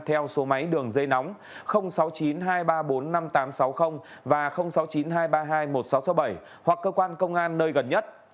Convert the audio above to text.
theo số máy đường dây nóng sáu mươi chín hai trăm ba mươi bốn năm nghìn tám trăm sáu mươi và sáu mươi chín hai trăm ba mươi hai một nghìn sáu trăm sáu mươi bảy hoặc cơ quan công an nơi gần nhất